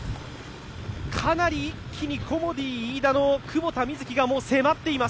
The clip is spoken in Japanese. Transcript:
かなり一気にコモディイイダの久保田みずきが迫っています。